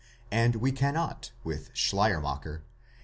% and we cannot with Schleiermacher